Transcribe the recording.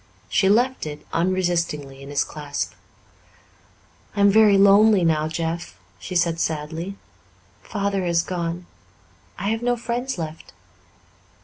She left it unresistingly in his clasp. "I am very lonely now, Jeff," she said sadly. "Father has gone. I have no friends left."